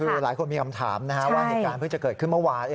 คือหลายคนมีคำถามนะฮะว่าเหตุการณ์เพิ่งจะเกิดขึ้นเมื่อวาน